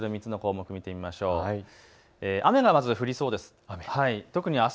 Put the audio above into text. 雨がまた降りそうです。